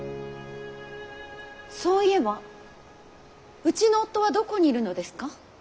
そういえばうちの夫はどこにいるのですか。